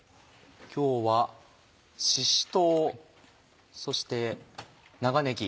今日はしし唐そして長ねぎ。